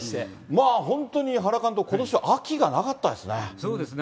まあ本当に、原監督、ことしは秋がなかったですね。